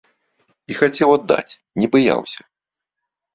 І хацеў аддаць, не баяўся.